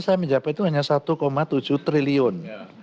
saya mencapai itu hanya satu tujuh triliun